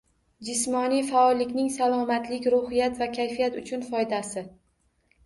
Jismoniy faollikning salomatlik, ruhiyat va kayfiyat uchun foydasi